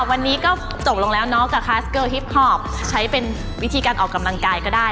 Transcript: วันนี้ก็จบลงแล้วเนาะกับคัสเกอร์ฮิปคอปใช้เป็นวิธีการออกกำลังกายก็ได้